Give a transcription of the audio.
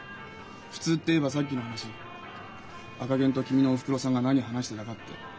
普通っていえばさっきの話赤ゲンと君のおふくろさんが何話してたかって。